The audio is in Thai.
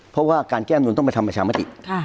เพราะว่าการแก้มนุนต้องไปทำประชามติ